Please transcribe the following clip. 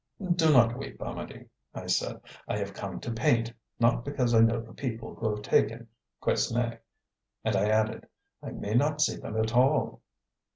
"Do not weep, Amedee," I said. "I have come to paint; not because I know the people who have taken Quesnay." And I added: "I may not see them at all."